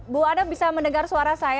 bu anna bisa mendengar suara saya